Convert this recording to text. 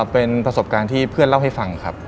เป็นประสบการณ์ที่เพื่อนเล่าให้ฟังครับ